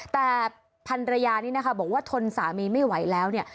แต่พันรยานี้นะคะบอกว่าทนสามีไม่ไหวแล้วเนี่ย